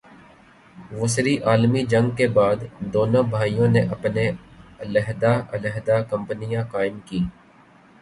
وسری عالمی جنگ کے بعد دونوں بھائیوں نے اپنی علیحدہ علیحدہ کمپنیاں قائم کیں-